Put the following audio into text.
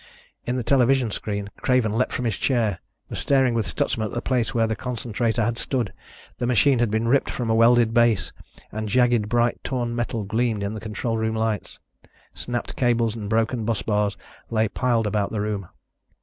In the television screen, Craven leaped from his chair, was staring with Stutsman at the place where the concentrator had stood. The machine had been ripped from a welded base and jagged, bright, torn metal gleamed in the control room lights. Snapped cables and broken busbars lay piled about the room.